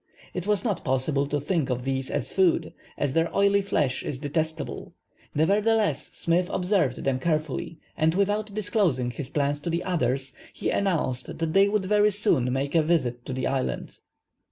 It was not possible to think of these as food, as their oily flesh is detestable; nevertheless Smith observed them carefully, and without disclosing his plans to the others, he announced that they would very soon, make a visit to the island.